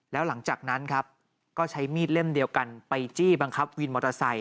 แล้วหลังจากนั้นครับก็ใช้มีดเล่มเดียวกันไปจี้บังคับวินมอเตอร์ไซค